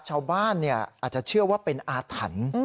ชาวบ้านอาจจะเชื่อว่าเป็นอาถรรพ์